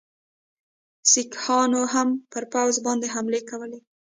سیکهانو هم پر پوځ باندي حملې کولې.